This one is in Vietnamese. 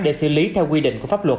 để xử lý theo quy định của pháp luật